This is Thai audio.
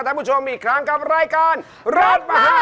เออใช่รถประหาสนุกมันไม่ใช่รถตุ๊กตุ๊ก